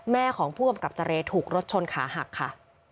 แม่ของผู้อำกับจริงถูกรถชนขาหักค่ะ